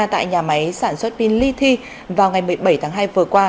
tại nhà máy sản xuất pin ly thi vào ngày một mươi bảy tháng hai vừa qua